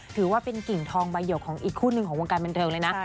ถือว่าเป็นกิ่งทองใบเดียวของอีกคู่หนึ่งของวงการบันเทิงเลยนะ